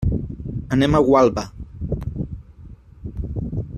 Anem a Gualba.